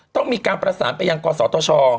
ต้องมีการประสานไปยังก่อนสอเตอร์ช่อ